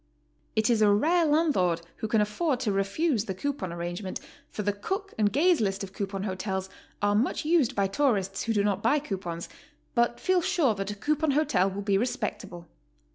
It is a rare landlord who can afford to refuse the coupon arrangement, for the Cook and Gaze list of coupon hotels are much used by tourists who do not buy coupons, but feel sure that a coupon hotel will be respectable.